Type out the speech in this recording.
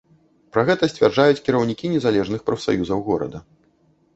Пра гэта сцвярджаюць кіраўнікі незалежных прафсаюзаў горада.